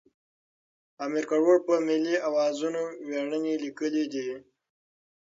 امیر کروړ په ملي اوزانو ویاړنې لیکلې دي.